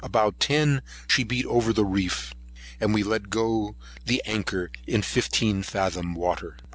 About ten she beat over the reef; and we let go the anchor in fifteen fathom water.